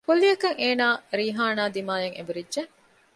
ކުއްލިއަކަށް އޭނާ ރީޙާނާ ދިމާއަށް އެނބުރިއްޖެ